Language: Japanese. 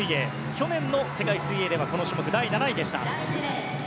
去年の世界水泳ではこの種目第７位でした。